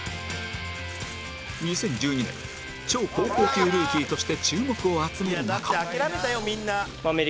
２０１２年超高校級ルーキーとして注目を集める中